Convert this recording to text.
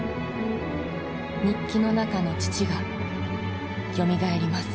日記の中の父がよみがえります。